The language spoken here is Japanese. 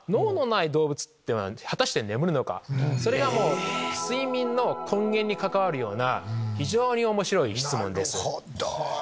それが睡眠の根源に関わるような非常に面白い質問です。